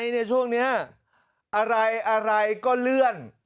ในช่วงนี้อะไรอะไรก็เลื่อน